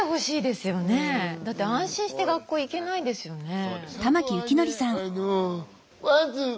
だって安心して学校行けないですよね。